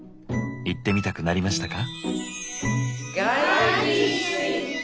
行ってみたくなりましたか？